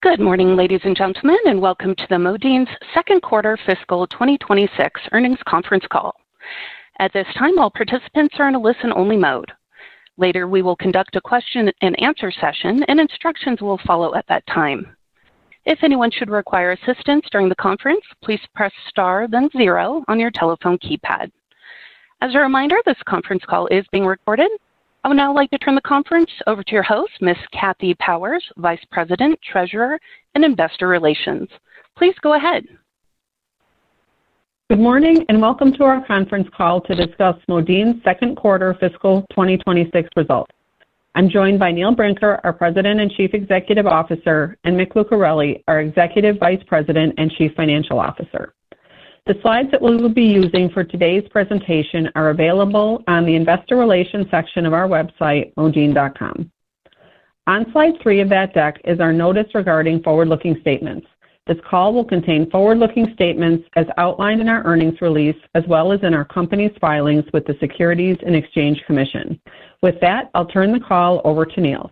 Good morning, ladies and gentlemen, and Welcome to Modine's second quarter fiscal 2026 earnings conference call. At this time, all participants are in a listen-only mode. Later, we will conduct a question and answer session, and instructions will follow at that time. If anyone should require assistance during the conference, please press star, then zero on your telephone keypad. As a reminder, this conference call is being recorded. I would now like to turn the conference over to your host, Ms. Kathy Powers, Vice President, Treasurer, and Investor Relations. Please go ahead. Good morning, and Welcome to our conference call to discuss Modine's second quarter fiscal 2026 results. I'm joined by Neil Brinker, our President and Chief Executive Officer, and Mick Lucareli, our Executive Vice President and Chief Financial Officer. The slides that we will be using for today's presentation are available on the Investor Relations section of our website, modine.com. On slide three of that deck is our notice regarding forward-looking statements. This call will contain forward-looking statements as outlined in our earnings release, as well as in our company's filings with the Securities and Exchange Commission. With that, I'll turn the call over to Neil.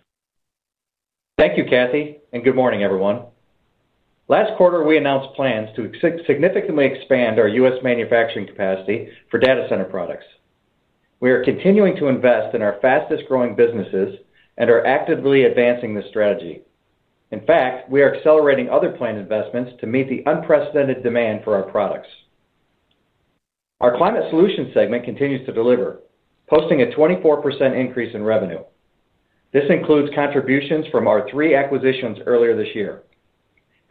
Thank you, Kathy, and good morning, everyone. Last quarter, we announced plans to significantly expand our U.S. manufacturing capacity for data center products. We are continuing to invest in our fastest-growing businesses and are actively advancing this strategy. In fact, we are accelerating other planned investments to meet the unprecedented demand for our products. Our Climate Solutions segment continues to deliver, posting a 24% increase in revenue. This includes contributions from our three acquisitions earlier this year: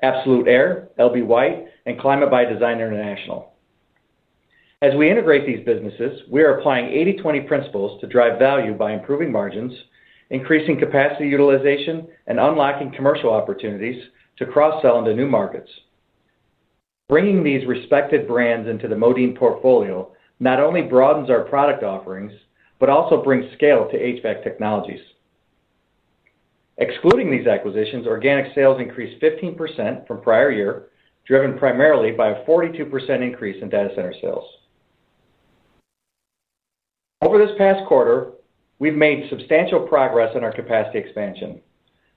Absolute Air, L.B. White, and Climate by Design International. As we integrate these businesses, we are applying 80/20 principles to drive value by improving margins, increasing capacity utilization, and unlocking commercial opportunities to cross-sell into new markets. Bringing these respected brands into the Modine portfolio not only broadens our product offerings but also brings scale to HVAC Technologies. Excluding these acquisitions, organic sales increased 15% from prior year, driven primarily by a 42% increase in data center sales. Over this past quarter, we've made substantial progress in our capacity expansion.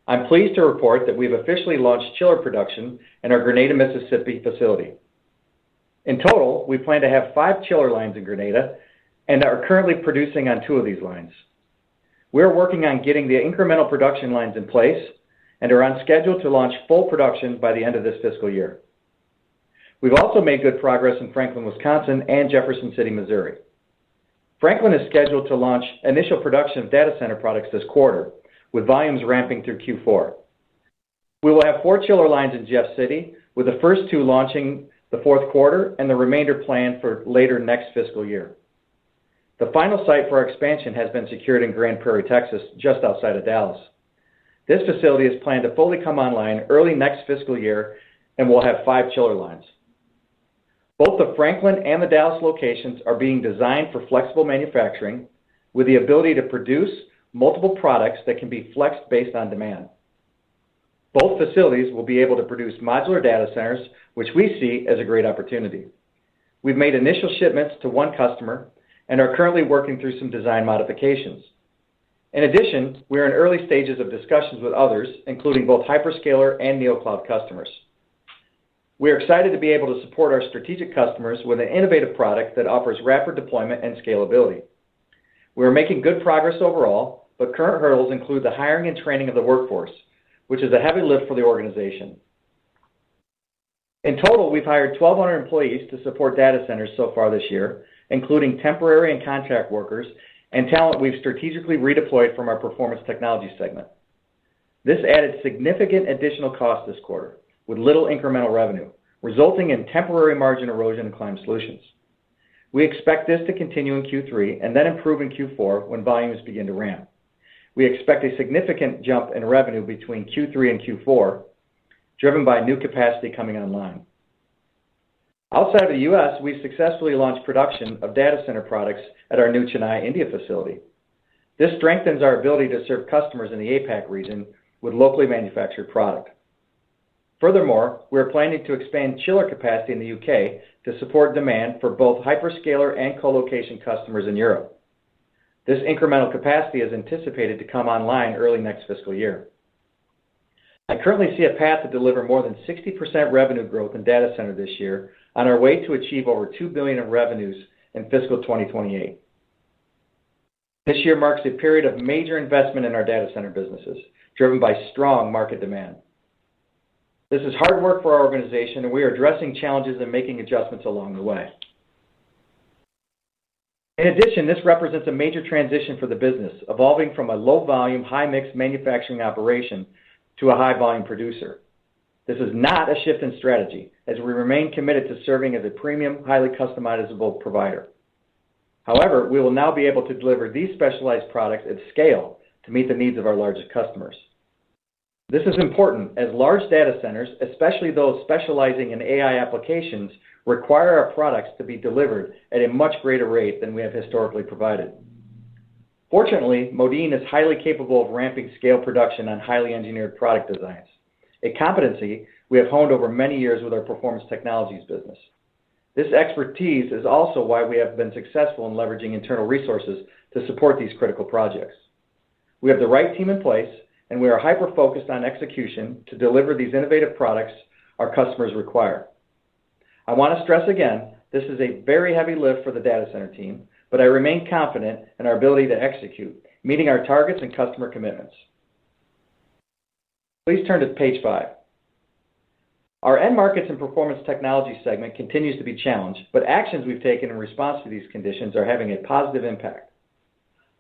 I'm pleased to report that we've officially launched chiller production in our Grenada, Mississippi, facility. In total, we plan to have five chiller lines in Grenada and are currently producing on two of these lines. We're working on getting the incremental production lines in place and are on schedule to launch full production by the end of this fiscal year. We've also made good progress in Franklin, Wisconsin, and Jefferson City, Missouri. Franklin is scheduled to launch initial production of data center products this quarter, with volumes ramping through Q4. We will have four chiller lines in Jeff City, with the first two launching the fourth quarter and the remainder planned for later next fiscal year. The final site for our expansion has been secured in Grand Prairie, Texas, just outside of Dallas. This facility is planned to fully come online early next fiscal year and will have five chiller lines. Both the Franklin and the Dallas locations are being designed for flexible manufacturing, with the ability to produce multiple products that can be flexed based on demand. Both facilities will be able to produce modular data centers, which we see as a great opportunity. We've made initial shipments to one customer and are currently working through some design modifications. In addition, we are in early stages of discussions with others, including both hyperscaler and NeoCloud customers. We are excited to be able to support our strategic customers with an innovative product that offers rapid deployment and scalability. We are making good progress overall, but current hurdles include the hiring and training of the workforce, which is a heavy lift for the organization. In total, we've hired 1,200 employees to support data centers so far this year, including temporary and contract workers and talent we've strategically redeployed from our Performance Technologies segment. This added significant additional costs this quarter, with little incremental revenue, resulting in temporary margin erosion in Climate Solutions. We expect this to continue in Q3 and then improve in Q4 when volumes begin to ramp. We expect a significant jump in revenue between Q3 and Q4, driven by new capacity coming online. Outside of the U.S., we successfully launched production of data center products at our new Chennai, India, facility. This strengthens our ability to serve customers in the APAC region with locally manufactured product. Furthermore, we are planning to expand chiller capacity in the U.K. to support demand for both hyperscaler and colocation customers in Europe. This incremental capacity is anticipated to come online early next fiscal year. I currently see a path to deliver more than 60% revenue growth in data centers this year, on our way to achieve over $2 billion in revenues in fiscal 2028. This year marks a period of major investment in our data center businesses, driven by strong market demand. This is hard work for our organization, and we are addressing challenges and making adjustments along the way. In addition, this represents a major transition for the business, evolving from a low-volume, high-mix manufacturing operation to a high-volume producer. This is not a shift in strategy, as we remain committed to serving as a premium, highly customizable provider. However, we will now be able to deliver these specialized products at scale to meet the needs of our largest customers. This is important, as large data centers, especially those specializing in AI applications, require our products to be delivered at a much greater rate than we have historically provided. Fortunately, Modine is highly capable of ramping scale production on highly engineered product designs, a competency we have honed over many years with our Performance Technologies business. This expertise is also why we have been successful in leveraging internal resources to support these critical projects. We have the right team in place, and we are hyper-focused on execution to deliver these innovative products our customers require. I want to stress again, this is a very heavy lift for the data center team, but I remain confident in our ability to execute, meeting our targets and customer commitments. Please turn to page five. Our end markets and Performance Technologies segment continues to be challenged, but actions we've taken in response to these conditions are having a positive impact.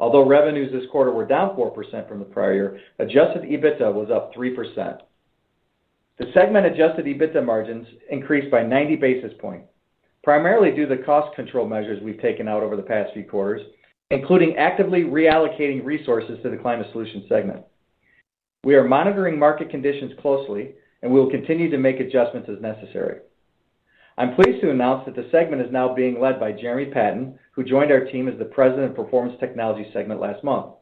Although revenues this quarter were down 4% from the prior year, adjusted EBITDA was up 3%. The segment adjusted EBITDA margins increased by 90 basis points, primarily due to the cost control measures we've taken out over the past few quarters, including actively reallocating resources to the Climate Solutions segment. We are monitoring market conditions closely, and we will continue to make adjustments as necessary. I'm pleased to announce that the segment is now being led by Jeremy Patton, who joined our team as the President of Performance Technologies segment last month.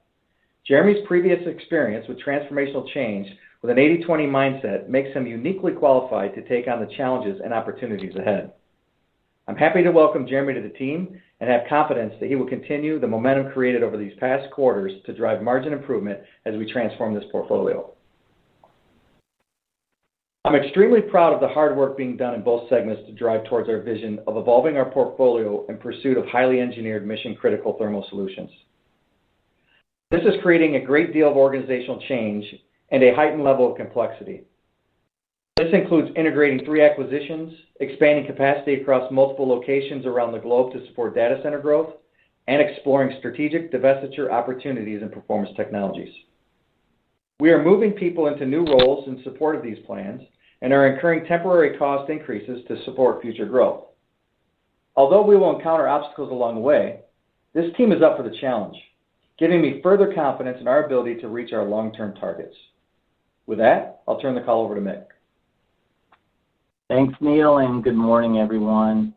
Jeremy's previous experience with transformational change with an 80/20 mindset makes him uniquely qualified to take on the challenges and opportunities ahead. I'm happy to welcome Jeremy to the team and have confidence that he will continue the momentum created over these past quarters to drive margin improvement as we transform this portfolio. I'm extremely proud of the hard work being done in both segments to drive towards our vision of evolving our portfolio in pursuit of highly engineered, mission-critical thermal solutions. This is creating a great deal of organizational change and a heightened level of complexity. This includes integrating three acquisitions, expanding capacity across multiple locations around the globe to support data center growth, and exploring strategic divestiture opportunities in Performance Technologies. We are moving people into new roles in support of these plans and are incurring temporary cost increases to support future growth. Although we will encounter obstacles along the way, this team is up for the challenge, giving me further confidence in our ability to reach our long-term targets. With that, I'll turn the call over to Mick. Thanks, Neil, and good morning, everyone.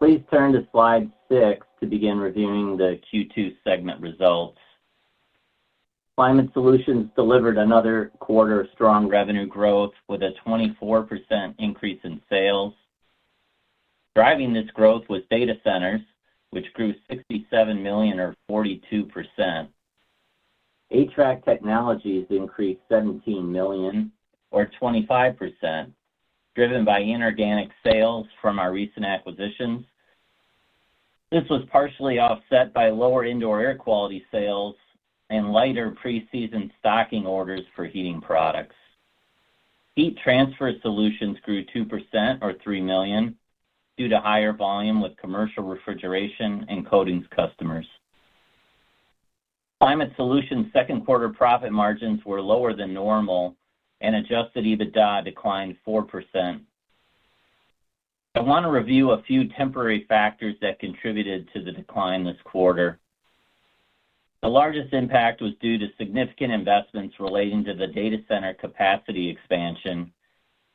Please turn to slide six to begin reviewing the Q2 segment results. Climate Solutions delivered another quarter of strong revenue growth with a 24% increase in sales. Driving this growth was data centers, which grew $67 million, or 42%. HVAC Technologies increased $17 million, or 25%, driven by inorganic sales from our recent acquisitions. This was partially offset by lower indoor air quality sales and lighter pre-season stocking orders for heating products. Heat transfer solutions grew 2%, or $3 million, due to higher volume with commercial refrigeration and coatings customers. Climate Solutions' second quarter profit margins were lower than normal, and adjusted EBITDA declined 4%. I want to review a few temporary factors that contributed to the decline this quarter. The largest impact was due to significant investments relating to the data center capacity expansion,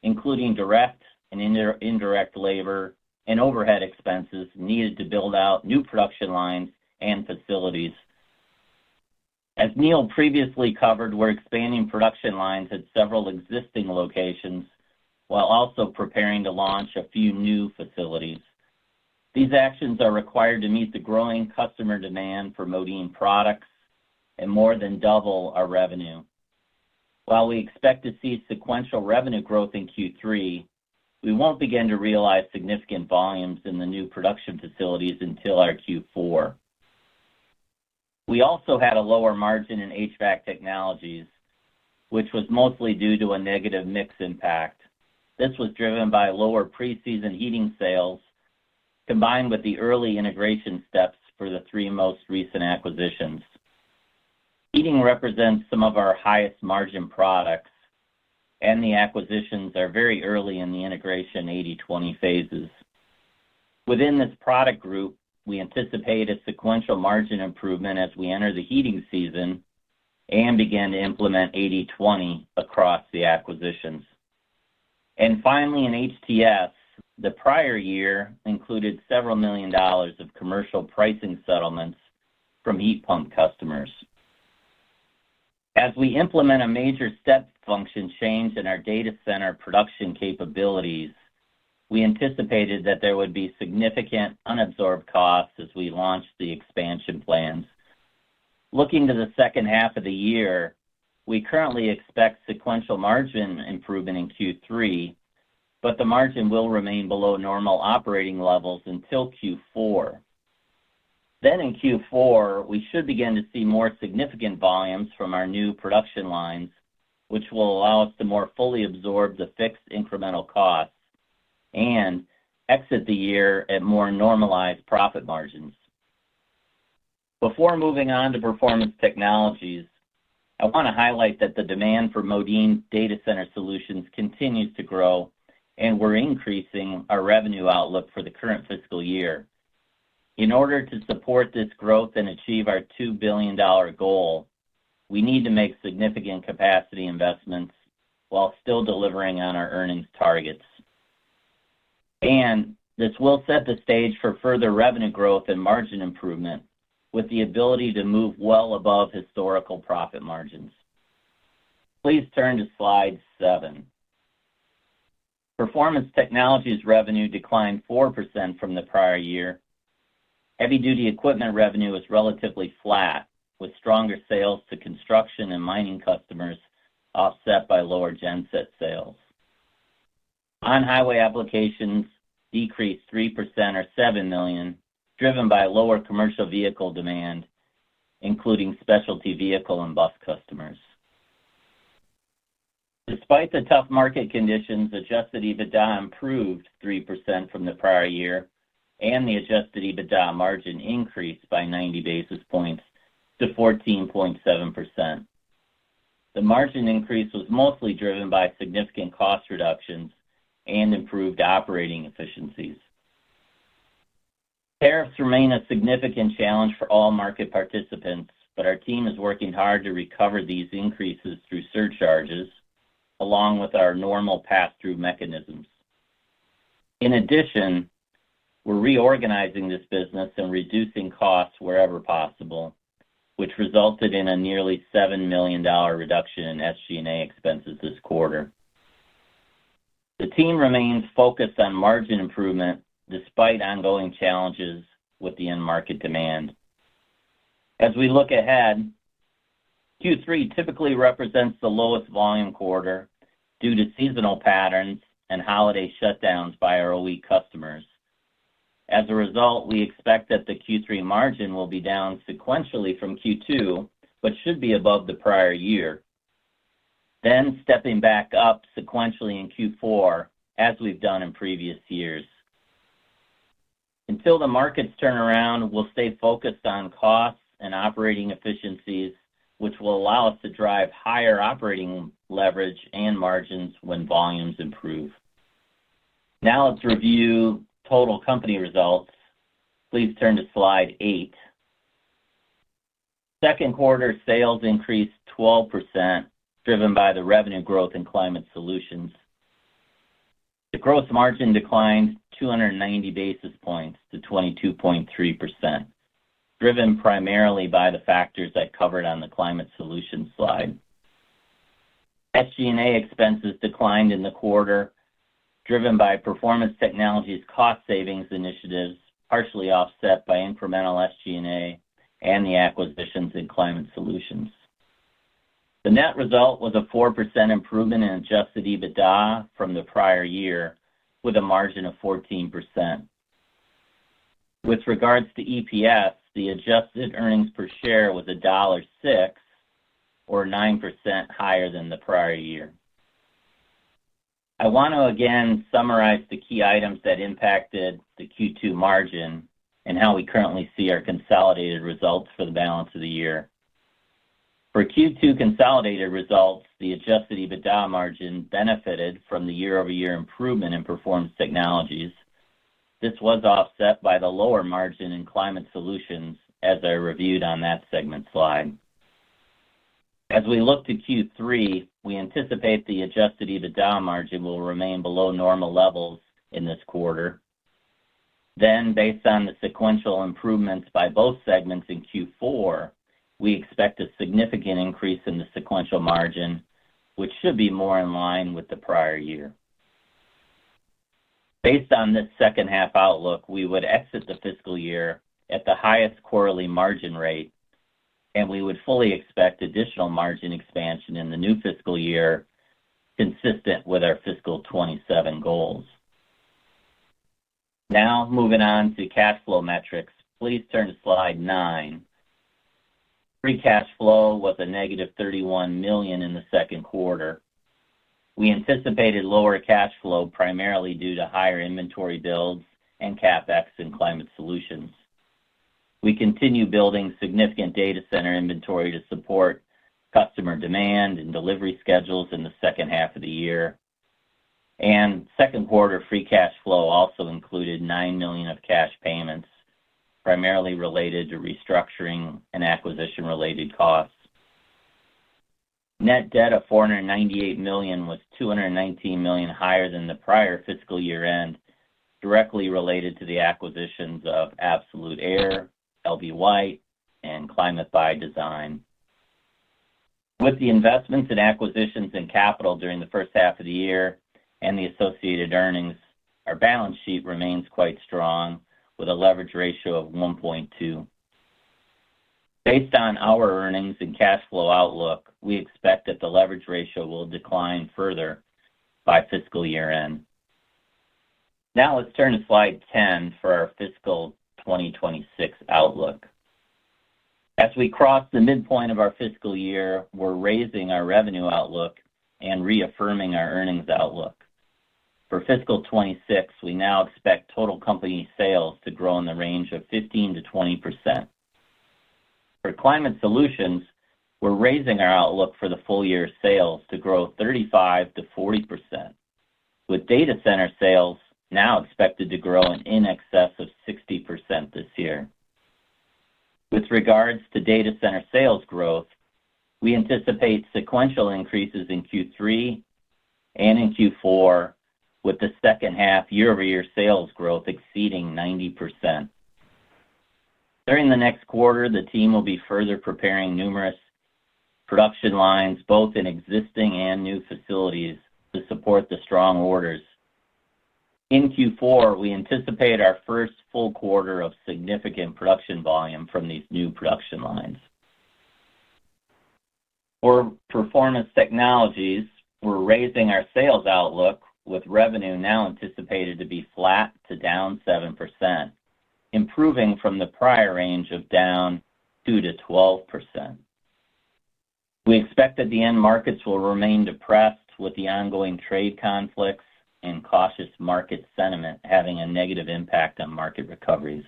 including direct and indirect labor and overhead expenses needed to build out new production lines and facilities. As Neil previously covered, we're expanding production lines at several existing locations while also preparing to launch a few new facilities. These actions are required to meet the growing customer demand for Modine products and more than double our revenue. While we expect to see sequential revenue growth in Q3, we won't begin to realize significant volumes in the new production facilities until our Q4. We also had a lower margin in HVAC Technologies, which was mostly due to a negative mix impact. This was driven by lower pre-season heating sales, combined with the early integration steps for the three most recent acquisitions. Heating represents some of our highest margin products, and the acquisitions are very early in the integration 80/20 phases. Within this product group, we anticipate a sequential margin improvement as we enter the heating season and begin to implement 80/20 across the acquisitions. Finally, in HTS, the prior year included several million dollars of commercial pricing settlements from heat pump customers. As we implement a major step function change in our data center production capabilities, we anticipated that there would be significant unabsorbed costs as we launch the expansion plans. Looking to the second half of the year, we currently expect sequential margin improvement in Q3, but the margin will remain below normal operating levels until Q4. In Q4, we should begin to see more significant volumes from our new production lines, which will allow us to more fully absorb the fixed incremental costs and exit the year at more normalized profit margins. Before moving on to Performance Technologies, I want to highlight that the demand for Modine data center solutions continues to grow, and we're increasing our revenue outlook for the current fiscal year. In order to support this growth and achieve our $2 billion goal, we need to make significant capacity investments while still delivering on our earnings targets. This will set the stage for further revenue growth and margin improvement, with the ability to move well above historical profit margins. Please turn to slide seven. Performance Technologies revenue declined 4% from the prior year. Heavy-duty equipment revenue is relatively flat, with stronger sales to construction and mining customers offset by lower GenSet sales. On-highway applications decreased 3%, or $7 million, driven by lower commercial vehicle demand, including specialty vehicle and bus customers. Despite the tough market conditions, adjusted EBITDA improved 3% from the prior year, and the adjusted EBITDA margin increased by 90 basis points to 14.7%. The margin increase was mostly driven by significant cost reductions and improved operating efficiencies. Tariffs remain a significant challenge for all market participants, but our team is working hard to recover these increases through surcharges, along with our normal pass-through mechanisms. In addition, we're reorganizing this business and reducing costs wherever possible, which resulted in a nearly $7 million reduction in SG&A expenses this quarter. The team remains focused on margin improvement despite ongoing challenges with the end market demand. As we look ahead, Q3 typically represents the lowest volume quarter due to seasonal patterns and holiday shutdowns by our OE customers. As a result, we expect that the Q3 margin will be down sequentially from Q2 but should be above the prior year, then stepping back up sequentially in Q4 as we've done in previous years. Until the markets turn around, we'll stay focused on costs and operating efficiencies, which will allow us to drive higher operating leverage and margins when volumes improve. Now let's review total company results. Please turn to slide eight. Second quarter sales increased 12%, driven by the revenue growth in Climate Solutions. The gross margin declined 290 basis points to 22.3%, driven primarily by the factors I covered on the Climate Solutions slide. SG&A expenses declined in the quarter, driven by Performance Technologies cost savings initiatives, partially offset by incremental SG&A and the acquisitions in Climate Solutions. The net result was a 4% improvement in adjusted EBITDA from the prior year, with a margin of 14%. With regards to EPS, the adjusted earnings per share was $1.06, or 9% higher than the prior year. I want to again summarize the key items that impacted the Q2 margin and how we currently see our consolidated results for the balance of the year. For Q2 consolidated results, the adjusted EBITDA margin benefited from the year-over-year improvement in Performance Technologies. This was offset by the lower margin in Climate Solutions, as I reviewed on that segment slide. As we look to Q3, we anticipate the adjusted EBITDA margin will remain below normal levels in this quarter. Based on the sequential improvements by both segments in Q4, we expect a significant increase in the sequential margin, which should be more in line with the prior year. Based on this second half outlook, we would exit the fiscal year at the highest quarterly margin rate, and we would fully expect additional margin expansion in the new fiscal year, consistent with our fiscal 2027 goals. Now moving on to cash flow metrics, please turn to slide nine. Free cash flow was a negative $31 million in the second quarter. We anticipated lower cash flow primarily due to higher inventory builds and CapEx in Climate Solutions. We continue building significant data center inventory to support customer demand and delivery schedules in the second half of the year. Second quarter free cash flow also included $9 million of cash payments, primarily related to restructuring and acquisition-related costs. Net debt of $498 million was $219 million higher than the prior fiscal year end, directly related to the acquisitions of Absolute Air, L.B. White, and Climate by Design. With the investments and acquisitions in capital during the first half of the year and the associated earnings, our balance sheet remains quite strong with a leverage ratio of 1.2. Based on our earnings and cash flow outlook, we expect that the leverage ratio will decline further by fiscal year end. Now let's turn to slide 10 for our fiscal 2026 outlook. As we cross the midpoint of our fiscal year, we're raising our revenue outlook and reaffirming our earnings outlook. For fiscal 2026, we now expect total company sales to grow in the range of 15%-20%. For Climate Solutions, we're raising our outlook for the full year's sales to grow 35%-40%, with data center sales now expected to grow in excess of 60% this year. With regards to data center sales growth, we anticipate sequential increases in Q3 and in Q4, with the second half year-over-year sales growth exceeding 90%. During the next quarter, the team will be further preparing numerous production lines, both in existing and new facilities, to support the strong orders. In Q4, we anticipate our first full quarter of significant production volume from these new production lines. For Performance Technologies, we're raising our sales outlook, with revenue now anticipated to be flat to down 7%, improving from the prior range of down 2%-12%. We expect that the end markets will remain depressed, with the ongoing trade conflicts and cautious market sentiment having a negative impact on market recoveries.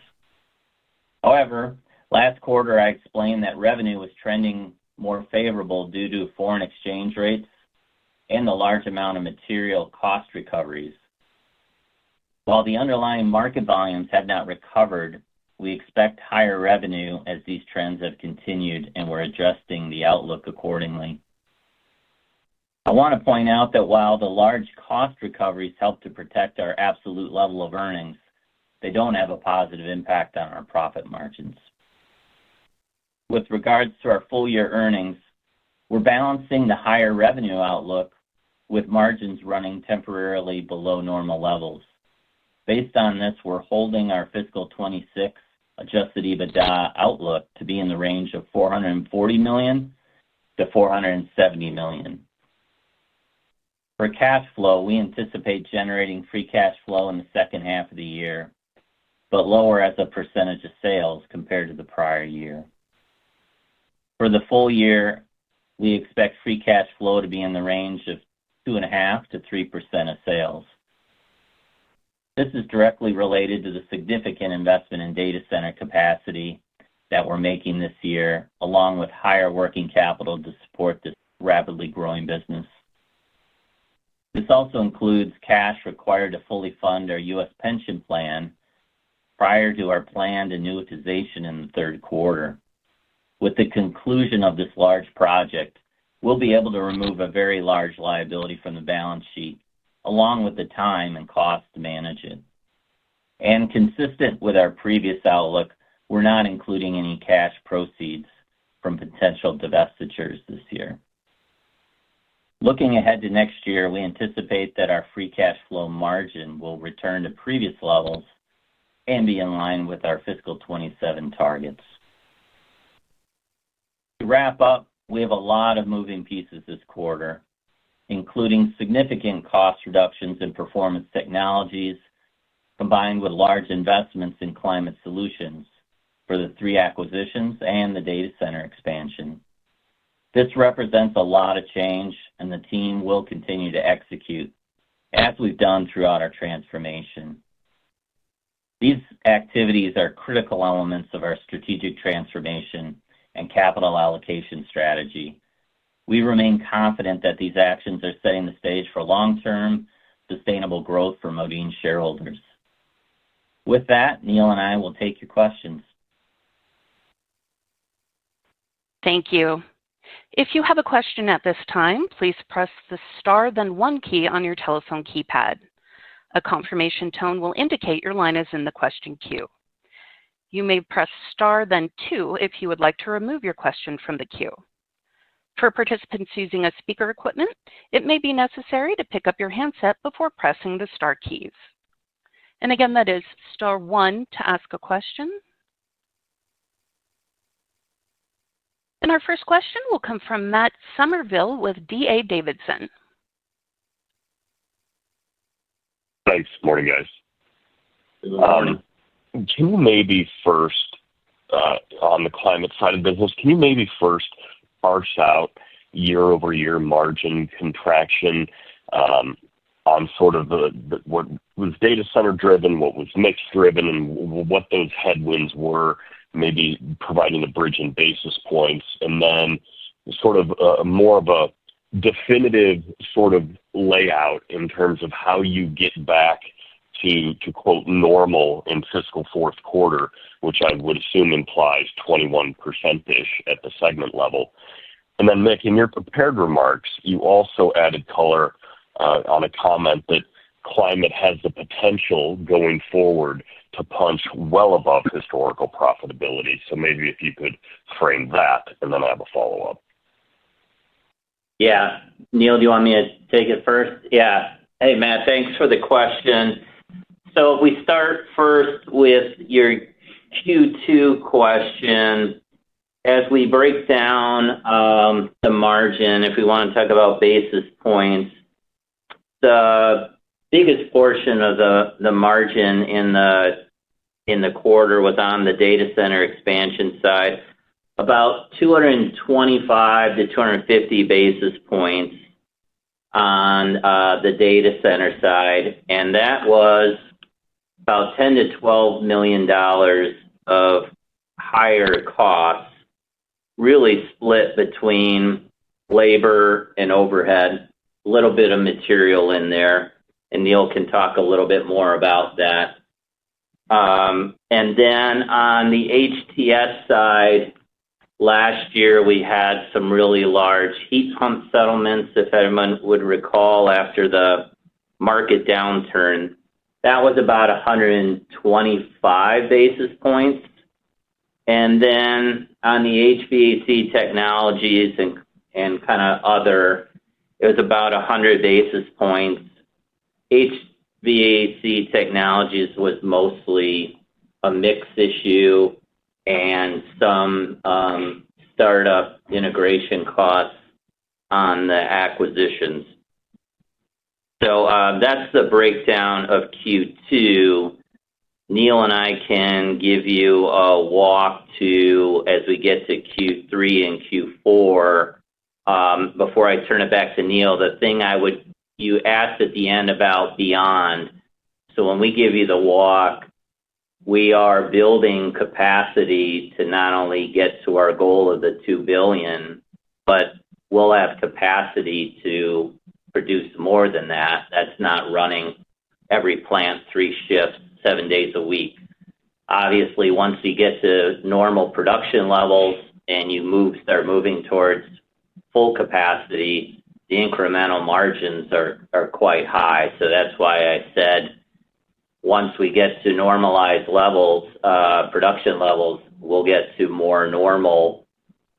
However, last quarter, I explained that revenue was trending more favorable due to foreign exchange rates and the large amount of material cost recoveries. While the underlying market volumes have not recovered, we expect higher revenue as these trends have continued and we're adjusting the outlook accordingly. I want to point out that while the large cost recoveries help to protect our absolute level of earnings, they don't have a positive impact on our profit margins. With regards to our full year earnings, we're balancing the higher revenue outlook with margins running temporarily below normal levels. Based on this, we're holding our fiscal 2026 adjusted EBITDA outlook to be in the range of $440 million-$470 million. For cash flow, we anticipate generating free cash flow in the second half of the year, but lower as a percentage of sales compared to the prior year. For the full year, we expect free cash flow to be in the range of 2.5%-3% of sales. This is directly related to the significant investment in data center capacity that we're making this year, along with higher working capital to support this rapidly growing business. This also includes cash required to fully fund our U.S. pension plan prior to our planned annuitization in the third quarter. With the conclusion of this large project, we'll be able to remove a very large liability from the balance sheet, along with the time and cost to manage it. Consistent with our previous outlook, we're not including any cash proceeds from potential divestitures this year. Looking ahead to next year, we anticipate that our free cash flow margin will return to previous levels and be in line with our fiscal 2027 targets. To wrap up, we have a lot of moving pieces this quarter, including significant cost reductions in Performance Technologies, combined with large investments in Climate Solutions for the three acquisitions and the data center expansion. This represents a lot of change, and the team will continue to execute, as we've done throughout our transformation. These activities are critical elements of our strategic transformation and capital allocation strategy. We remain confident that these actions are setting the stage for long-term, sustainable growth for Modine shareholders. With that, Neil and I will take your questions. Thank you. If you have a question at this time, please press the star, then one key on your telephone keypad. A confirmation tone will indicate your line is in the question queue. You may press star, then two if you would like to remove your question from the queue. For participants using speaker equipment, it may be necessary to pick up your handset before pressing the star keys. Again, that is star one to ask a question. Our first question will come from Matt Summerville with DA Davidson. Thanks. Morning, guys. Can you maybe first, on the climate side of business, maybe first parse out year-over-year margin contraction on sort of what was data center driven, what was mix driven, and what those headwinds were, maybe providing a bridge in basis points, and then sort of a more definitive layout in terms of how you get back to, to quote, "normal" in fiscal fourth quarter, which I would assume implies 21%-ish at the segment level. Mick, in your prepared remarks, you also added color on a comment that climate has the potential going forward to punch well above historical profitability. Maybe if you could frame that, and then I have a follow-up. Yeah. Neil, do you want me to take it first? Yeah. Hey, Matt, thanks for the question. If we start first with your Q2 question, as we break down the margin, if we want to talk about basis points, the biggest portion of the margin in the quarter was on the data center expansion side, about 225 basis points-250 basis points on the data center side. That was about $10 million-$12 million of higher costs, really split between labor and overhead, a little bit of material in there. Neil can talk a little bit more about that. On the HTS side, last year, we had some really large heat pump settlements, if anyone would recall, after the market downturn. That was about 125 basis points. On the HVAC Technologies and kind of other, it was about 100 basis points. HVAC Technologies was mostly a mix issue and some startup integration costs on the acquisitions. That's the breakdown of Q2. Neil and I can give you a walk to, as we get to Q3 and Q4. Before I turn it back to Neil, the thing you asked at the end about beyond. When we give you the walk, we are building capacity to not only get to our goal of the $2 billion, but we'll have capacity to produce more than that. That's not running every plant three shifts, seven days a week. Obviously, once you get to normal production levels and you start moving towards full capacity, the incremental margins are quite high. That's why I said once we get to normalized levels, production levels, we'll get to more normal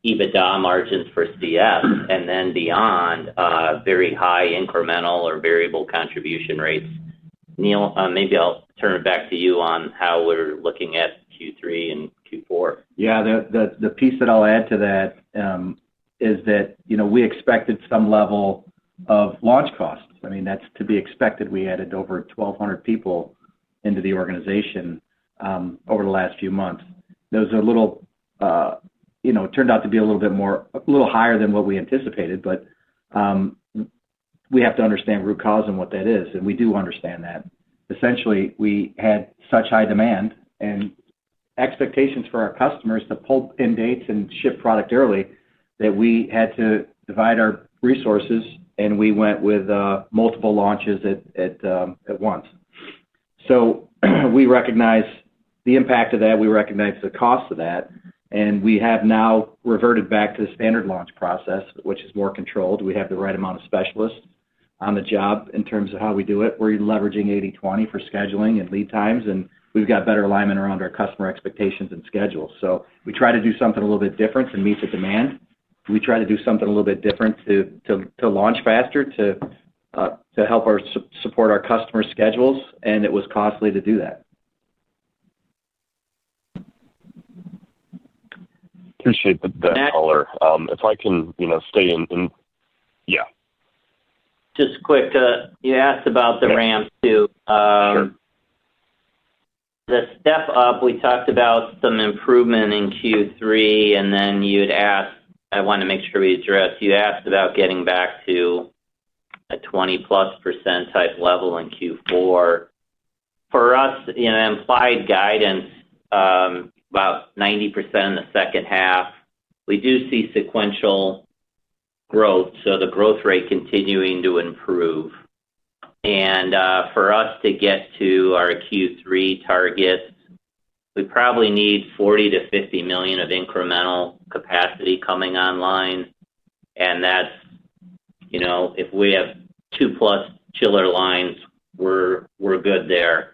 EBITDA margins for CF and then beyond, very high incremental or variable contribution rates. Neil, maybe I'll turn it back to you on how we're looking at Q3 and Q4. Yeah. The piece that I'll add to that is that, you know, we expected some level of launch costs. I mean, that's to be expected. We added over 1,200 people into the organization over the last few months. Those are a little, you know, turned out to be a little bit more, a little higher than what we anticipated. We have to understand root cause and what that is, and we do understand that. Essentially, we had such high demand and expectations for our customers to pull in dates and ship product early that we had to divide our resources, and we went with multiple launches at once. We recognize the impact of that. We recognize the cost of that. We have now reverted back to the standard launch process, which is more controlled. We have the right amount of specialists on the job in terms of how we do it. We're leveraging 80/20 for scheduling and lead times, and we've got better alignment around our customer expectations and schedules. We tried to do something a little bit different to meet the demand. We tried to do something a little bit different to launch faster, to help support our customer schedules, and it was costly to do that. Appreciate the color. If I can, you know, stay in. Just quick, you asked about the ramp to the step up. We talked about some improvement in Q3, and then you asked, I want to make sure we address, you asked about getting back to a 20+% type level in Q4. For us, implied guidance, about 90% in the second half. We do see sequential growth, the growth rate continuing to improve. For us to get to our Q3 targets, we probably need $40 million-$50 million of incremental capacity coming online. That's, if we have two+ chiller lines, we're good there.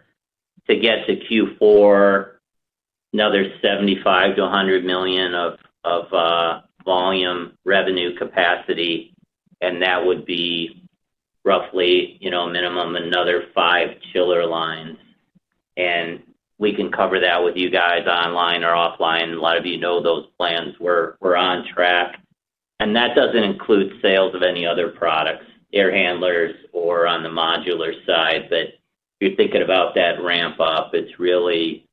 To get to Q4, another $75 miliion-$100 million of volume revenue capacity, and that would be roughly a minimum of another five chiller lines. We can cover that with you guys online or offline. A lot of you know those plans. We're on track. That doesn't include sales of any other products, air handlers or on the modular side. If you're thinking about that ramp up, it's really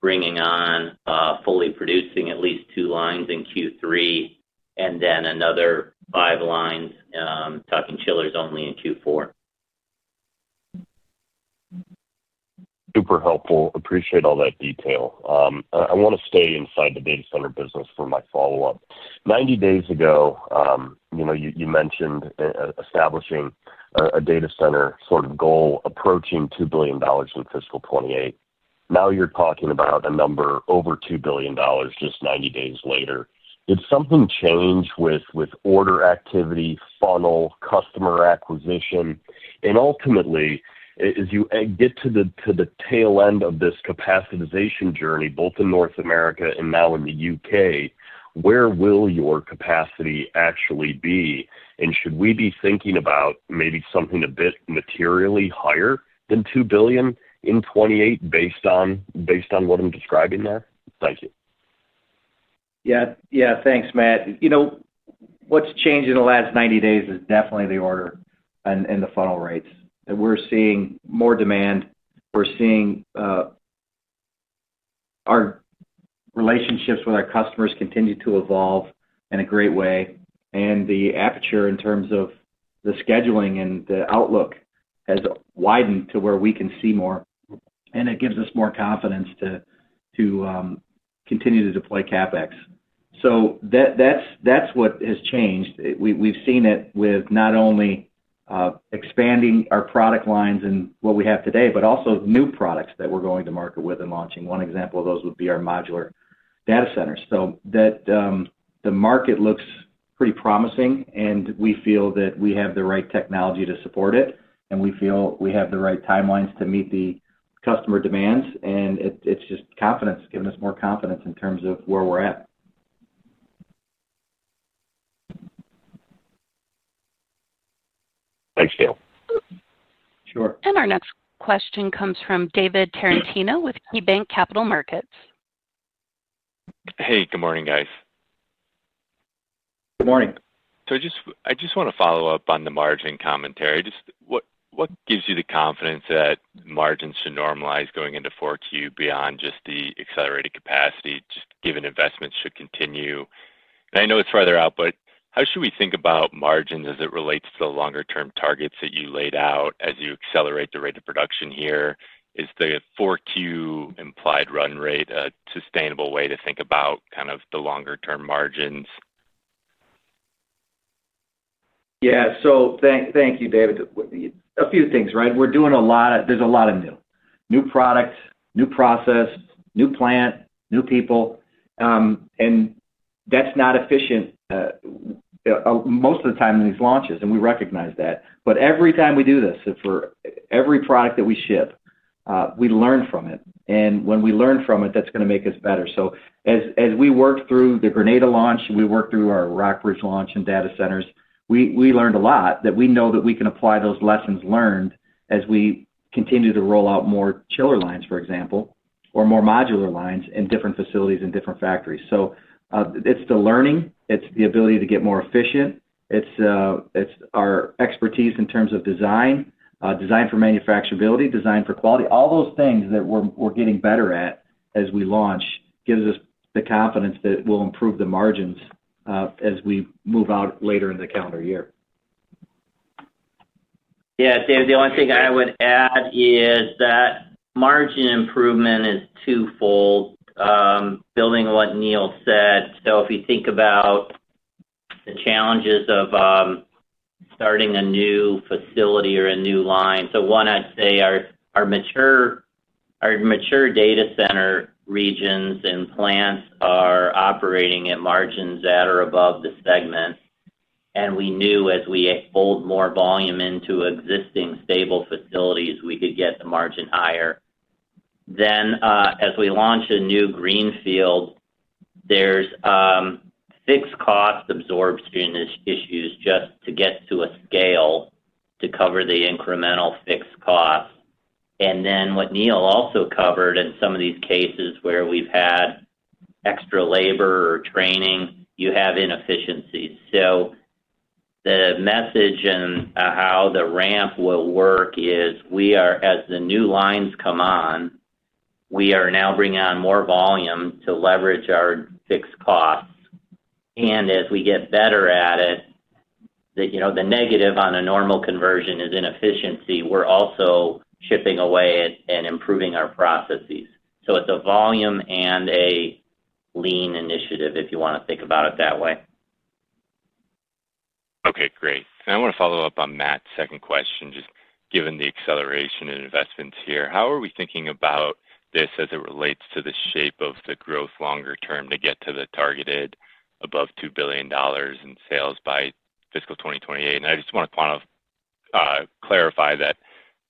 bringing on, fully producing at least two lines in Q3 and then another five lines, talking chillers only in Q4. Super helpful. Appreciate all that detail. I want to stay inside the data center business for my follow-up. Ninety days ago, you mentioned establishing a data center sort of goal, approaching $2 billion in fiscal 2028. Now you're talking about a number over $2 billion just ninety days later. Did something change with order activity, funnel, customer acquisition? Ultimately, as you get to the tail end of this capacitization journey, both in North America and now in the U.K., where will your capacity actually be? Should we be thinking about maybe something a bit materially higher than $2 billion in 2028 based on what I'm describing there? Thank you. Yeah. Thanks, Matt. You know, what's changed in the last 90 days is definitely the order and the funnel rates. We're seeing more demand. We're seeing our relationships with our customers continue to evolve in a great way. The aperture in terms of the scheduling and the outlook has widened to where we can see more. It gives us more confidence to continue to deploy CapEx. That's what has changed. We've seen it with not only expanding our product lines and what we have today, but also new products that we're going to market with and launching. One example of those would be our modular data centers. The market looks pretty promising, and we feel that we have the right technology to support it, and we feel we have the right timelines to meet the customer demands. It's just confidence, giving us more confidence in terms of where we're at. Thanks, Neil. Sure. Our next question comes from David Tarantino with KeyBanc Capital Markets. Hey, good morning, guys. Good morning. I just want to follow up on the margin commentary. What gives you the confidence that margins should normalize going into Q4 beyond just the accelerated capacity, just given investments should continue? I know it's further out, but how should we think about margins as it relates to the longer-term targets that you laid out as you accelerate the rate of production here? Is the Q4 implied run rate a sustainable way to think about kind of the longer-term margins? Yeah. Thank you, David. A few things, right? We're doing a lot of, there's a lot of new product, new process, new plant, new people, and that's not efficient, most of the time in these launches, and we recognize that. Every time we do this, for every product that we ship, we learn from it. When we learn from it, that's going to make us better. As we worked through the Grenada launch, we worked through our Rockbridge launch and data centers. We learned a lot that we know that we can apply those lessons learned as we continue to roll out more chiller lines, for example, or more modular lines in different facilities and different factories. It's the learning. It's the ability to get more efficient. It's our expertise in terms of design, design for manufacturability, design for quality, all those things that we're getting better at as we launch gives us the confidence that we'll improve the margins, as we move out later in the calendar year. Yeah. David, the only thing I would add is that margin improvement is two fold, building on what Neil said. If you think about the challenges of starting a new facility or a new line, I'd say our mature data center regions and plants are operating at margins that are above the segment. We knew as we fold more volume into existing stable facilities, we could get the margin higher. As we launch a new greenfield, there are fixed cost absorption issues just to get to a scale to cover the incremental fixed costs. What Neil also covered in some of these cases where we've had extra labor or training, you have inefficiencies. The message and how the ramp will work is we are, as the new lines come on, now bringing on more volume to leverage our fixed costs. As we get better at it, the negative on a normal conversion is inefficiency. We're also chipping away and improving our processes. It's a volume and a lean initiative if you want to think about it that way. Okay. Great. I want to follow up on Matt's second question. Just given the acceleration in investments here, how are we thinking about this as it relates to the shape of the growth longer term to get to the targeted above $2 billion in sales by fiscal 2028? I just want to clarify that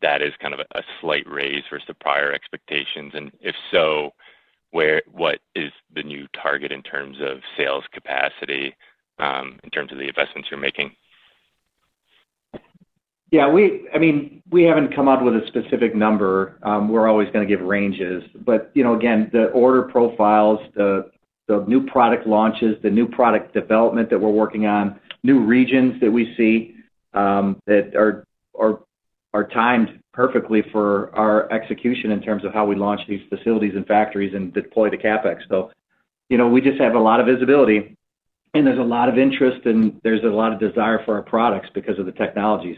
that is kind of a slight raise versus the prior expectations. If so, what is the new target in terms of sales capacity, in terms of the investments you're making? Yeah. I mean, we haven't come out with a specific number. We're always going to give ranges. You know, again, the order profiles, the new product launches, the new product development that we're working on, new regions that we see, that are timed perfectly for our execution in terms of how we launch these facilities and factories and deploy the CapEx. You know, we just have a lot of visibility, and there's a lot of interest, and there's a lot of desire for our products because of the technologies.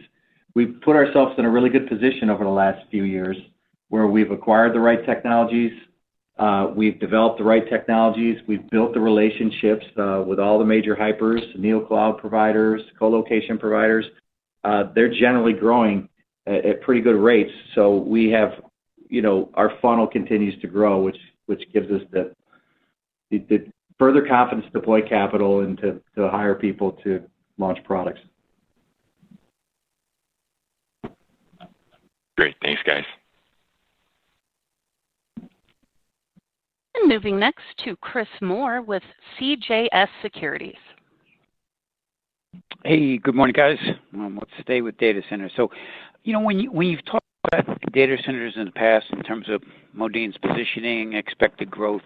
We've put ourselves in a really good position over the last few years where we've acquired the right technologies. We've developed the right technologies. We've built the relationships with all the major hyperscalers, neo-cloud providers, colocation providers. They're generally growing at pretty good rates. We have, you know, our funnel continues to grow, which gives us the further confidence to deploy capital and to hire people to launch products. Great. Thanks, guys. Moving next to Chris Moore with CJS Securities. Hey, good morning, guys. I'm with [Stay With Data Centers]. When you've talked about data centers in the past in terms of Modine's positioning, expected growth,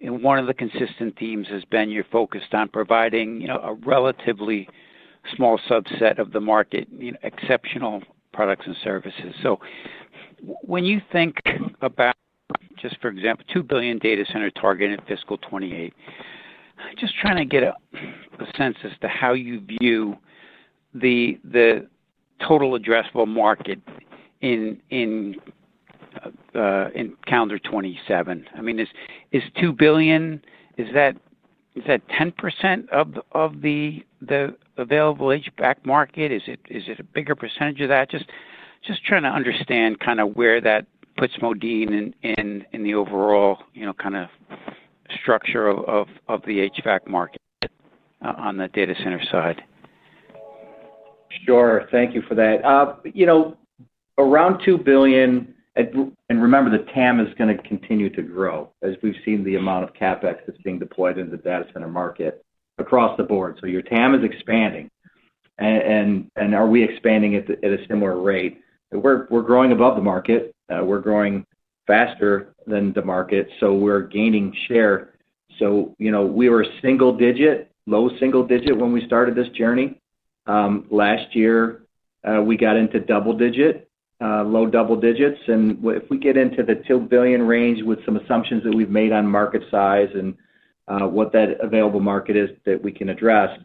one of the consistent themes has been you're focused on providing a relatively small subset of the market exceptional products and services. When you think about, just for example, $2 billion data center targeted fiscal 2028, I'm just trying to get a sense as to how you view the total addressable market in calendar 2027. Is $2 billion, is that 10% of the available HVAC market? Is it a bigger percentage of that? Just trying to understand kind of where that puts Modine in the overall structure of the HVAC market, on the data center side. Sure. Thank you for that. You know, around $2 billion, and remember the TAM is going to continue to grow as we've seen the amount of CapEx that's being deployed in the data center market across the board. Your TAM is expanding. Are we expanding at a similar rate? We're growing above the market. We're growing faster than the market, so we're gaining share. You know, we were a single-digit, low single-digit when we started this journey. Last year, we got into double-digit, low double digits. If we get into the $2 billion range with some assumptions that we've made on market size and what that available market is that we can address,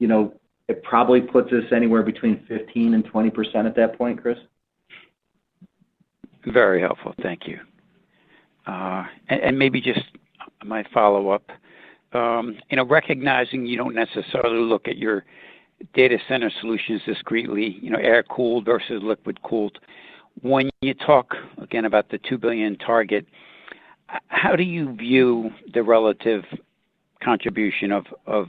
it probably puts us anywhere between 15% and 20% at that point, Chris. Very helpful. Thank you. Maybe just my follow-up. You know, recognizing you don't necessarily look at your data center cooling solutions discretely, you know, air-cooled versus liquid-cooled. When you talk, again, about the $2 billion target, how do you view the relative contribution of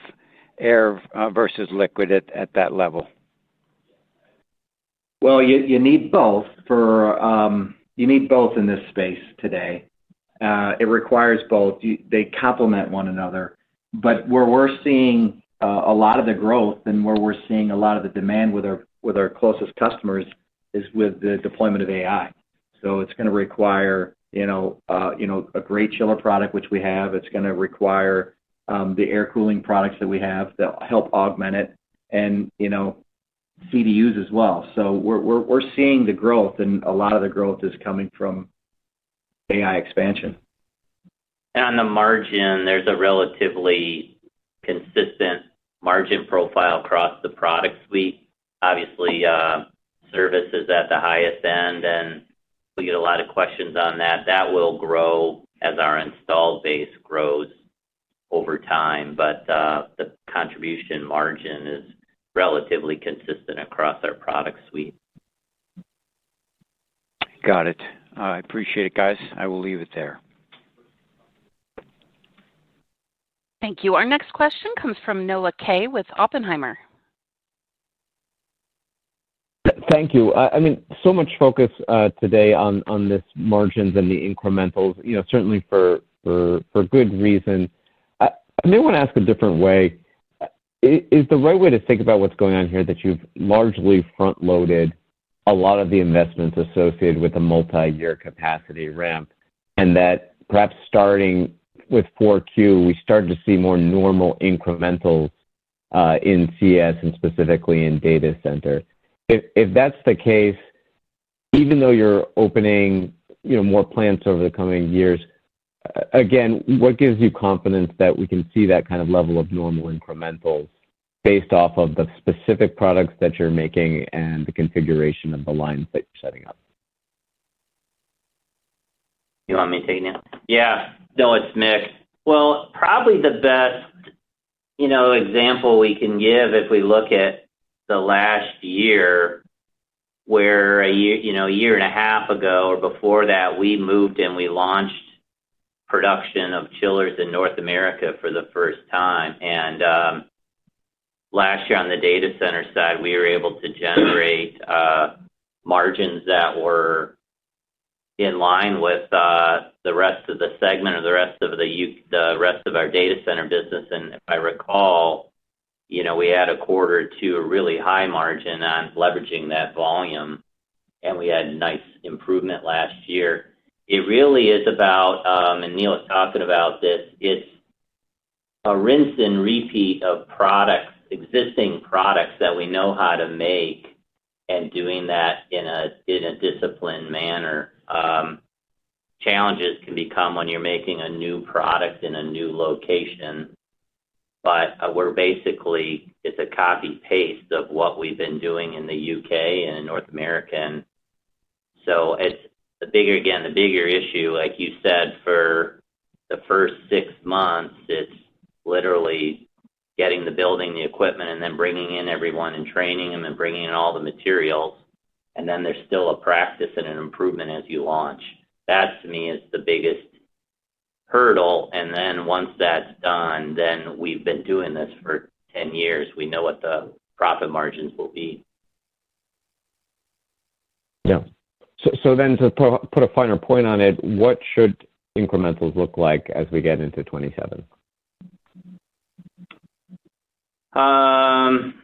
air versus liquid at that level? You need both in this space today. It requires both. They complement one another. Where we're seeing a lot of the growth and where we're seeing a lot of the demand with our closest customers is with the deployment of AI. It's going to require a great chiller product, which we have. It's going to require the air-cooling products that we have that help augment it and, you know, CBUs as well. We're seeing the growth, and a lot of the growth is coming from AI expansion. There is a relatively consistent margin profile across the product suite. Obviously, service is at the highest end, and we get a lot of questions on that. That will grow as our installed base grows over time. The contribution margin is relatively consistent across our product suite. Got it. I appreciate it, guys. I will leave it there. Thank you. Our next question comes from Noah Kaye with Oppenheimer. Thank you. So much focus today on margins and the incrementals, certainly for good reason. I may want to ask a different way. Is the right way to think about what's going on here that you've largely front-loaded a lot of the investments associated with the multi-year capacity ramp and that perhaps starting with 4Q, we started to see more normal incrementals in Climate Solutions and specifically in data center? If that's the case, even though you're opening more plants over the coming years, again, what gives you confidence that we can see that kind of level of normal incrementals based off of the specific products that you're making and the configuration of the lines that you're setting up? You want me to take it? Yeah. No, it's Mick. Probably the best example we can give if we look at the last year, where a year and a half ago or before that, we moved and we launched production of chillers in North America for the first time. Last year on the data center side, we were able to generate margins that were in line with the rest of the segment or the rest of our data center business. If I recall, we had a quarter or two of really high margin on leveraging that volume, and we had nice improvement last year. It really is about, and Neil is talking about this, it's a rinse and repeat of products, existing products that we know how to make and doing that in a disciplined manner. Challenges can become when you're making a new product in a new location. We're basically, it's a copy-paste of what we've been doing in the U.K. and in North America. It's the bigger, again, the bigger issue, like you said, for the first six months, it's literally getting the building, the equipment, and then bringing in everyone and training them and bringing in all the materials. There's still a practice and an improvement as you launch. That to me is the biggest hurdle. Once that's done, we've been doing this for 10 years. We know what the profit margins will be. To put a finer point on it, what should incrementals look like as we get into 2027? It's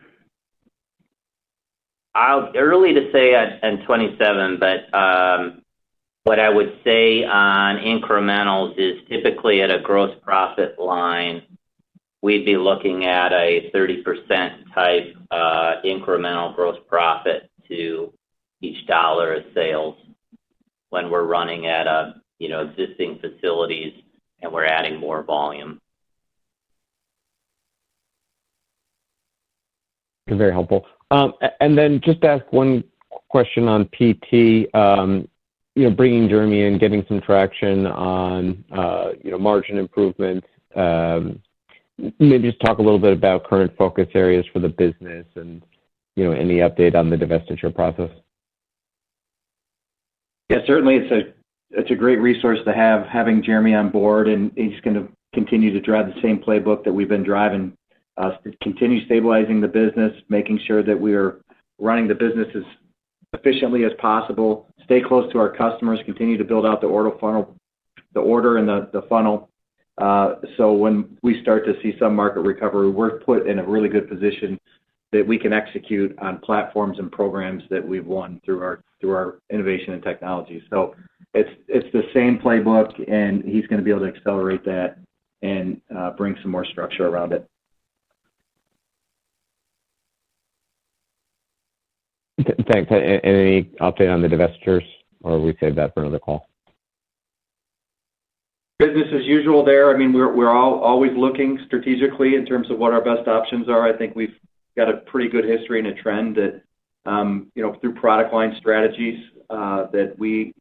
early to say in 2027, but what I would say on incrementals is typically at a gross profit line, we'd be looking at a 30% type, incremental gross profit to each dollar of sales when we're running at, you know, existing facilities and we're adding more volume. Very helpful. Just to ask one question on PT, you know, bringing Jeremy in, getting some traction on, you know, margin improvements, maybe just talk a little bit about current focus areas for the business and, you know, any update on the divestiture process. Yeah. Certainly, it's a great resource to have, having Jeremy on board, and he's going to continue to drive the same playbook that we've been driving, to continue stabilizing the business, making sure that we are running the business as efficiently as possible, stay close to our customers, continue to build out the order funnel, the order and the funnel. When we start to see some market recovery, we're put in a really good position that we can execute on platforms and programs that we've won through our innovation and technology. It's the same playbook, and he's going to be able to accelerate that and bring some more structure around it. Okay. Thanks. Any update on the strategic divestitures or we save that for another call? Business as usual there. I mean, we're always looking strategically in terms of what our best options are. I think we've got a pretty good history and a trend that, you know, through product line strategies, that we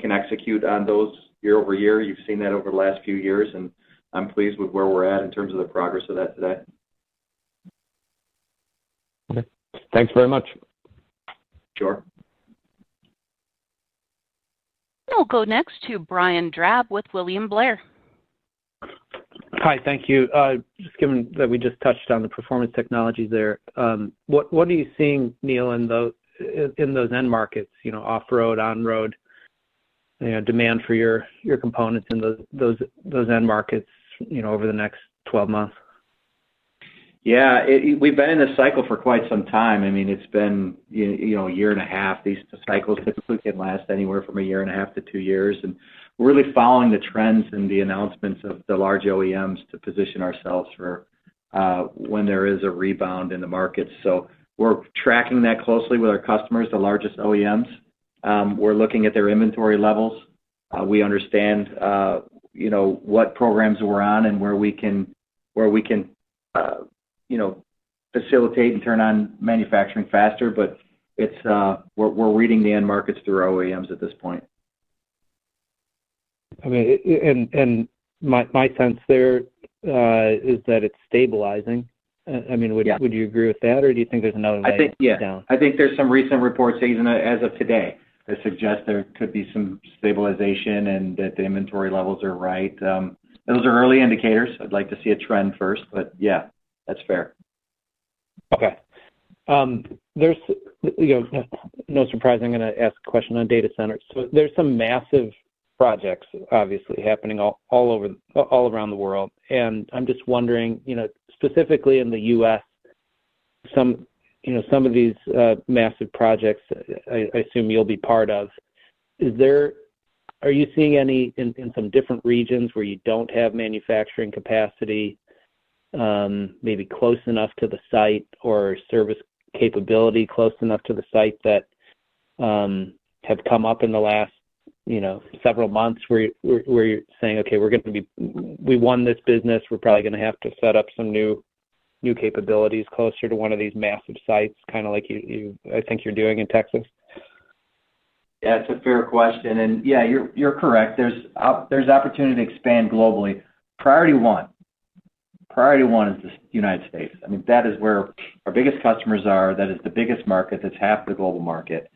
can execute on those year over year. You've seen that over the last few years, and I'm pleased with where we're at in terms of the progress of that today. Okay, thanks very much. Sure. We'll go next to Brian Drab with William Blair. Hi. Thank you. Just given that we just touched on the Performance Technologies there, what are you seeing, Neil, in those end markets, you know, off-road, on-road, demand for your components in those end markets, you know, over the next 12 months? Yeah. We've been in this cycle for quite some time. I mean, it's been, you know, a year and a half. These cycles typically can last anywhere from a year and a half to two years. We're really following the trends and the announcements of the large OEMs to position ourselves for when there is a rebound in the market. We're tracking that closely with our customers, the largest OEMs. We're looking at their inventory levels. We understand, you know, what programs we're on and where we can, you know, facilitate and turn on manufacturing faster. We're reading the end markets through our OEMs at this point. I mean, my sense there is that it's stabilizing. I mean, would you agree with that, or do you think there's another way to break it down? I think there's some recent reports even as of today that suggest there could be some stabilization and that the inventory levels are right. Those are early indicators. I'd like to see a trend first, but yeah, that's fair. Okay. There's, you know, no surprise, I'm going to ask a question on data centers. There's some massive projects, obviously, happening all around the world. I'm just wondering, specifically in the U.S., some of these massive projects I assume you'll be part of. Are you seeing any in some different regions where you don't have manufacturing capacity, maybe close enough to the site or service capability close enough to the site, that have come up in the last several months where you're saying, "Okay, we're going to be, we won this business. We're probably going to have to set up some new capabilities closer to one of these massive sites," kind of like you, I think you're doing in Texas? Yeah, it's a fair question. Yeah, you're correct. There's opportunity to expand globally. Priority one is the United States. I mean, that is where our biggest customers are. That is the biggest market. That's half the global market.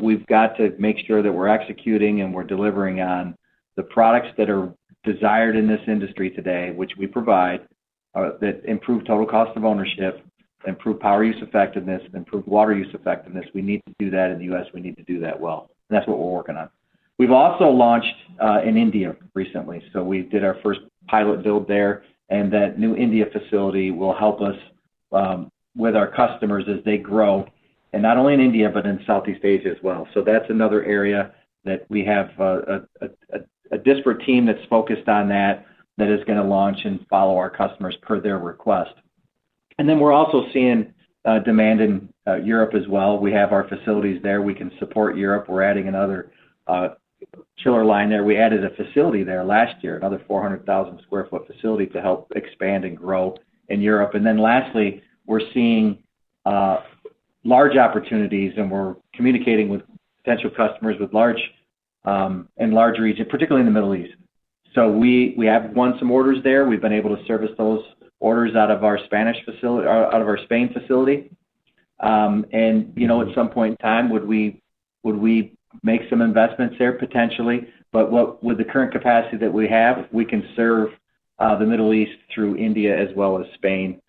We've got to make sure that we're executing and we're delivering on the products that are desired in this industry today, which we provide, that improve total cost of ownership, improve power use effectiveness, and improve water use effectiveness. We need to do that in the U.S. We need to do that well, and that's what we're working on. We've also launched in India recently. We did our first pilot build there, and that new India facility will help us with our customers as they grow, not only in India but in Southeast Asia as well. That's another area that we have a disparate team that's focused on, that is going to launch and follow our customers per their request. We're also seeing demand in Europe as well. We have our facilities there. We can support Europe. We're adding another chiller line there. We added a facility there last year, another 400,000 square foot facility to help expand and grow in Europe. Lastly, we're seeing large opportunities, and we're communicating with potential customers in large regions, particularly in the Middle East. We have won some orders there. We've been able to service those orders out of our Spain facility, and you know, at some point in time, would we make some investments there potentially. With the current capacity that we have, we can serve the Middle East through India as well as Spain,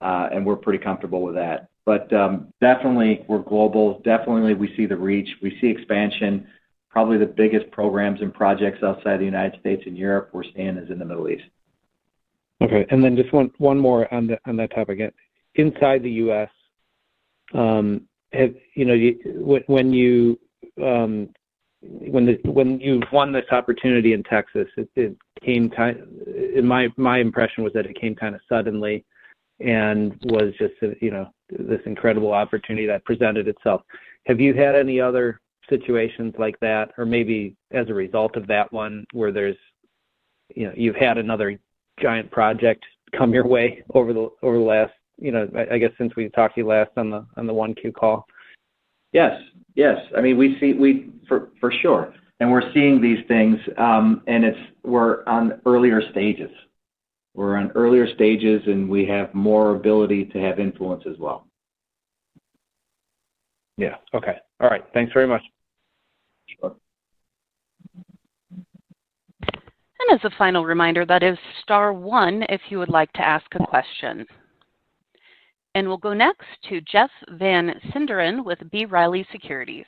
and we're pretty comfortable with that. Definitely, we're global. Definitely, we see the reach. We see expansion. Probably the biggest programs and projects outside the United States and Europe we're seeing is in the Middle East. Okay. Just one more on that topic again. Inside the U.S., when you've won this opportunity in Texas, it came kind of, my impression was that it came kind of suddenly and was just this incredible opportunity that presented itself. Have you had any other situations like that, or maybe as a result of that one where you've had another giant project come your way over the last, I guess since we talked to you last on the 1Q call? Yes. I mean, we see, we for sure. We're seeing these things, and we're on earlier stages. We're on earlier stages, and we have more ability to have influence as well. Yeah, okay. All right, thanks very much. As a final reminder, that is star one if you would like to ask a question. We'll go next to Jeff Van Sinderen with B. Riley Securities.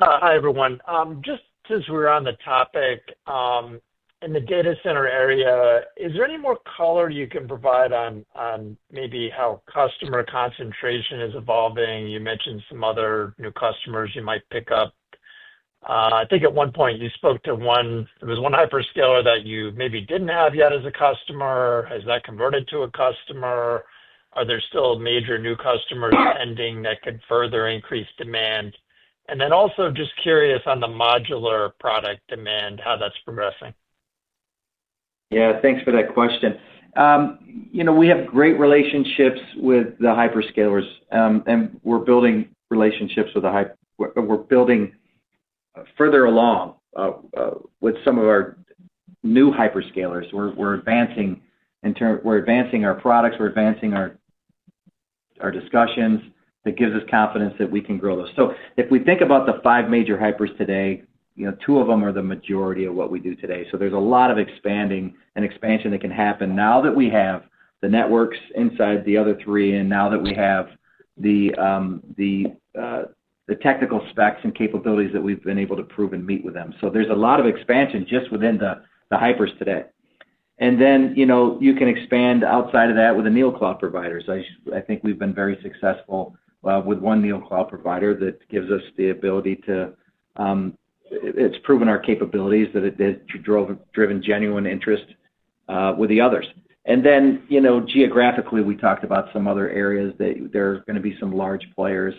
Hi, everyone. Since we're on the topic, in the data center area, is there any more color you can provide on how customer concentration is evolving? You mentioned some other new customers you might pick up. I think at one point you spoke to one, there was one hyperscaler that you maybe didn't have yet as a customer. Has that converted to a customer? Are there still major new customers pending that could further increase demand? Also, just curious on the modular product demand, how that's progressing? Yeah. Thanks for that question. We have great relationships with the hyperscalers, and we're building relationships with the hyper. We're building further along with some of our new hyperscalers. We're advancing in terms, we're advancing our products. We're advancing our discussions. That gives us confidence that we can grow those. If we think about the five major hypers today, two of them are the majority of what we do today. There's a lot of expanding and expansion that can happen now that we have the networks inside the other three, and now that we have the technical specs and capabilities that we've been able to prove and meet with them. There's a lot of expansion just within the hypers today. You can expand outside of that with the neo-cloud providers. I think we've been very successful with one neo-cloud provider that gives us the ability to, it's proven our capabilities that it has driven genuine interest with the others. Geographically, we talked about some other areas that there are going to be some large players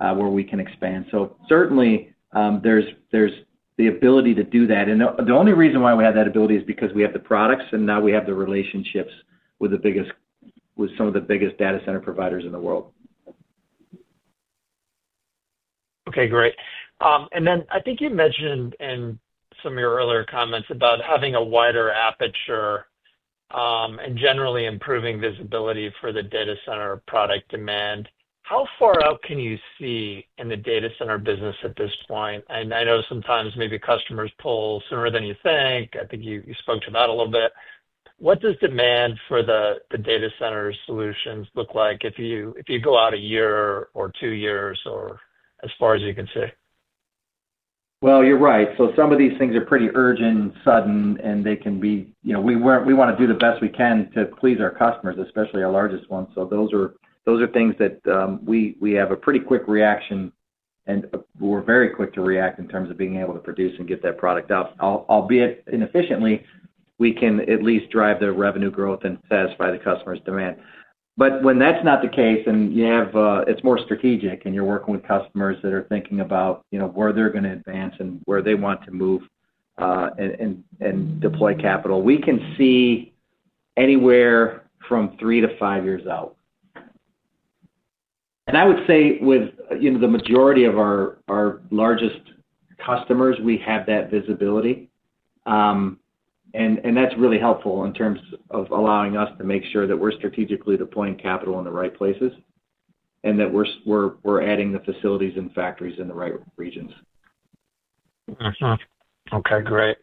where we can expand. Certainly, there's the ability to do that. The only reason why we have that ability is because we have the products, and now we have the relationships with the biggest, with some of the biggest data center providers in the world. Okay. Great. I think you mentioned in some of your earlier comments about having a wider aperture, and generally improving visibility for the data center product demand. How far out can you see in the data center business at this point? I know sometimes maybe customers pull sooner than you think. I think you spoke to that a little bit. What does demand for the data center solutions look like if you go out a year or two years or as far as you can see? You're right. Some of these things are pretty urgent, sudden, and they can be, you know, we want to do the best we can to please our customers, especially our largest ones. Those are things that we have a pretty quick reaction, and we're very quick to react in terms of being able to produce and get that product out. Albeit inefficiently, we can at least drive the revenue growth and satisfy the customer's demand. When that's not the case, and it's more strategic, and you're working with customers that are thinking about, you know, where they're going to advance and where they want to move and deploy capital, we can see anywhere from three to five years out. I would say with the majority of our largest customers, we have that visibility, and that's really helpful in terms of allowing us to make sure that we're strategically deploying capital in the right places and that we're adding the facilities and factories in the right regions. Okay. Great.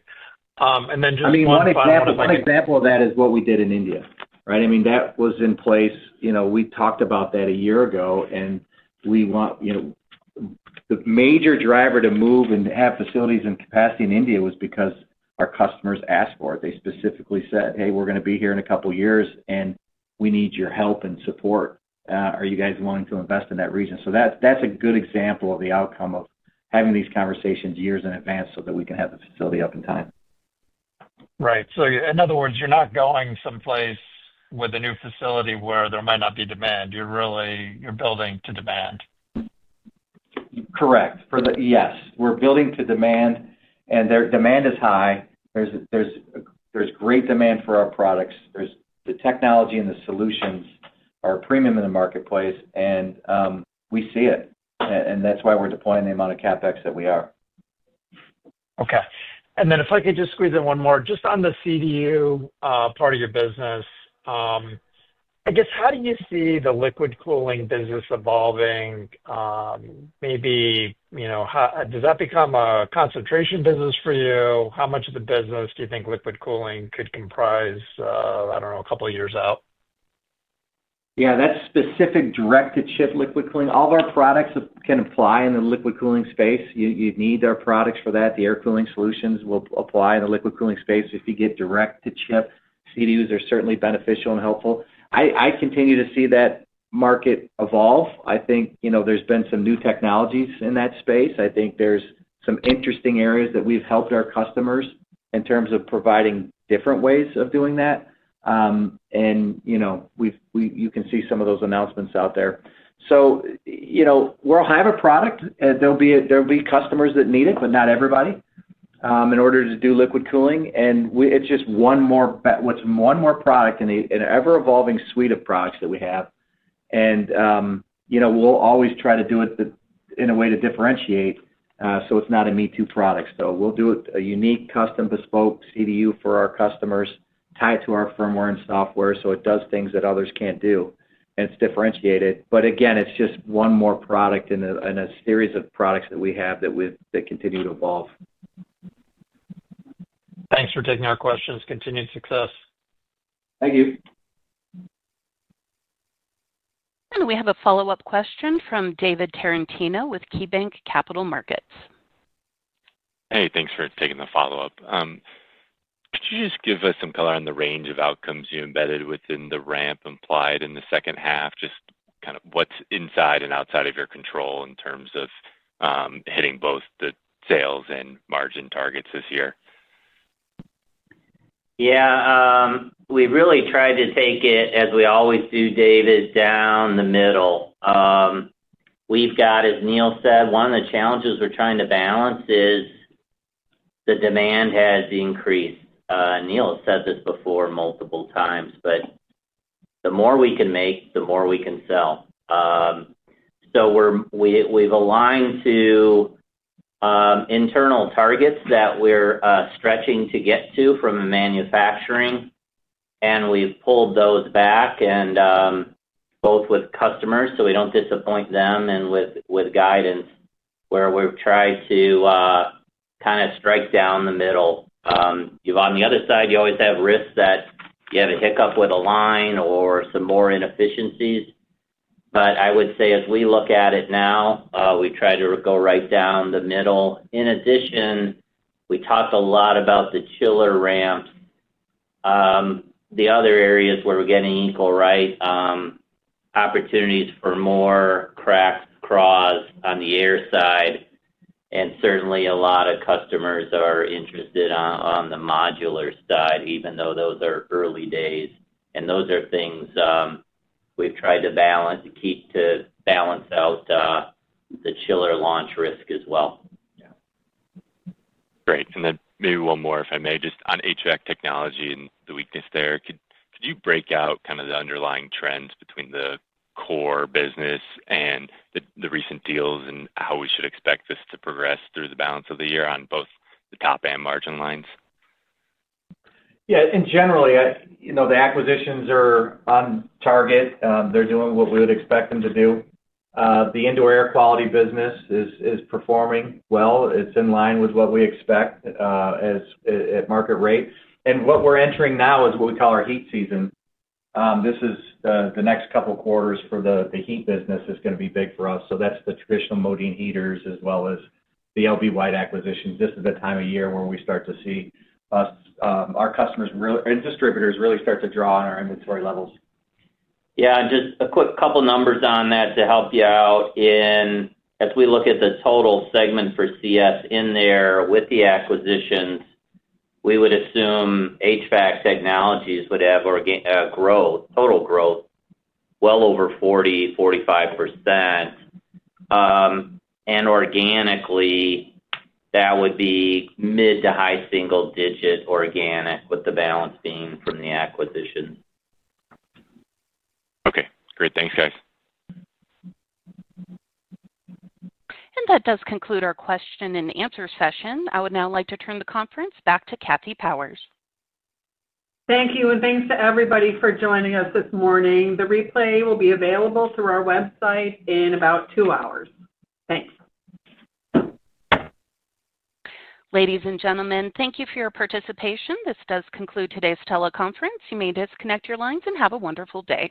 One example of that is what we did in India, right? That was in place. We talked about that a year ago, and we want, you know, the major driver to move and have facilities and capacity in India was because our customers asked for it. They specifically said, "Hey, we're going to be here in a couple of years, and we need your help and support. Are you guys willing to invest in that region?" That's a good example of the outcome of having these conversations years in advance so that we can have the facility up in time. Right. In other words, you're not going someplace with a new facility where there might not be demand. You're really building to demand. Correct. Yes, we're building to demand, and their demand is high. There's great demand for our products. The technology and the solutions are a premium in the marketplace, and we see it. That's why we're deploying the amount of CapEx that we are. Okay. If I could just squeeze in one more, just on the CDU part of your business, how do you see the liquid cooling business evolving? How does that become a concentration business for you? How much of the business do you think liquid cooling could comprise, I don't know, a couple of years out? Yeah. That’s specific direct-to-chip liquid cooling. All of our products can apply in the liquid cooling space. You need our products for that. The air cooling solutions will apply in the liquid cooling space. If you get direct-to-chip CDUs, they’re certainly beneficial and helpful. I continue to see that market evolve. I think, you know, there’s been some new technologies in that space. I think there’s some interesting areas that we’ve helped our customers in terms of providing different ways of doing that. You can see some of those announcements out there. We’ll have a product. There’ll be customers that need it, but not everybody, in order to do liquid cooling. It’s just one more product in an ever-evolving suite of products that we have. We’ll always try to do it in a way to differentiate, so it’s not a me-too product. We’ll do a unique custom bespoke CDU for our customers, tie it to our firmware and software so it does things that others can’t do, and it’s differentiated. Again, it’s just one more product in a series of products that we have that continue to evolve. Thanks for taking our questions. Continued success. Thank you. We have a follow-up question from David Tarantino with KeyBank Capital Markets. Hey, thanks for taking the follow-up. Could you just give us some color on the range of outcomes you embedded within the ramp implied in the second half? Just kind of what's inside and outside of your control in terms of hitting both the sales and margin targets this year? Yeah. We really tried to take it, as we always do, David, down the middle. We've got, as Neil said, one of the challenges we're trying to balance is the demand has increased. Neil has said this before multiple times, but the more we can make, the more we can sell. We've aligned to internal targets that we're stretching to get to from a manufacturing, and we've pulled those back, both with customers so we don't disappoint them and with guidance where we've tried to kind of strike down the middle. On the other side, you always have risks that you have a hiccup with a line or some more inefficiencies. I would say as we look at it now, we try to go right down the middle. In addition, we talked a lot about the chiller ramps, the other areas where we're getting equal opportunities for more cross on the air side. Certainly, a lot of customers are interested on the modular side, even though those are early days. Those are things we've tried to balance to keep to balance out the chiller launch risk as well. Great. Maybe one more, if I may, just on HVAC Technology and the weakness there. Could you break out kind of the underlying trends between the core business and the recent deals and how we should expect this to progress through the balance of the year on both the top and margin lines? Yeah. Generally, the acquisitions are on target. They're doing what we would expect them to do. The indoor air quality business is performing well. It's in line with what we expect, at market rate. What we're entering now is what we call our heat season. This is the next couple of quarters for the heat business, which is going to be big for us. That's the traditional Modine heaters as well as the L.B. White acquisitions. This is the time of year where we start to see our customers and distributors really start to draw on our inventory levels. Yeah. Just a quick couple of numbers on that to help you out. As we look at the total segment for Climate Solutions in there with the acquisitions, we would assume HVAC Technologies would have a total growth well over 40% to 45%, and organically, that would be mid to high single-digit organic with the balance being from the acquisition. Okay, great. Thanks, guys. That does conclude our question and answer session. I would now like to turn the conference back to Kathy Powers. Thank you. Thanks to everybody for joining us this morning. The replay will be available through our website in about two hours. Thanks. Ladies and gentlemen, thank you for your participation. This does conclude today's teleconference. You may disconnect your lines and have a wonderful day.